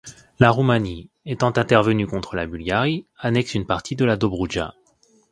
La Roumanie, étant intervenue contre la Bulgarie annexe une partie de la Dobroudja.